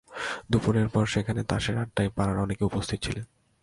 দুপুরের পর সেখানে তাসের আড্ডায় পাড়ার অনেকেই উপস্থিত ছিলেন।